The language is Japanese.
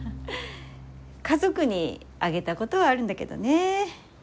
家族にあげたことはあるんだけどね。